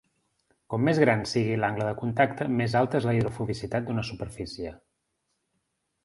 Com més gran sigui l'angle de contacte, més alta és la hidrofobicitat d'una superfície.